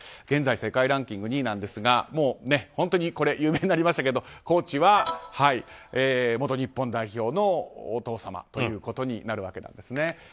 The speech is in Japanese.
現在世界ランキング２位なんですが本当に有名になりましたがコーチは元日本代表のお父様ということになるわけです。